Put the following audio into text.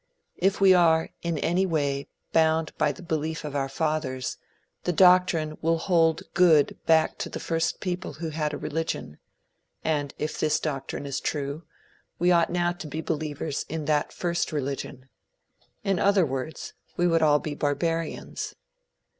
If we are, in any way, bound by the belief of our fathers, the doctrine will hold good back to the first people who had a religion; and if this doctrine is true, we ought now to be believers in that first religion. In other words, we would all be barbarians.